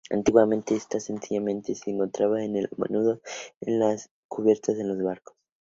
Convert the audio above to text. Antiguamente esta semilla se encontraba a menudo en las cubiertas de los barcos.